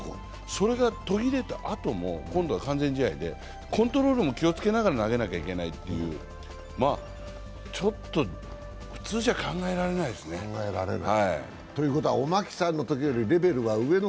それが途切れたあとも、今度は完全試合で、コントロールも気をつけながら投げなきゃいけないという、ちょっと普通じゃ考えられないですね。ということは、おマキさんのときよりレベルが上？